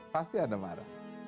pasti anda marah